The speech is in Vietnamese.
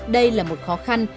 đây là một khó khăn